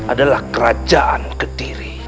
adalah kerajaan kediri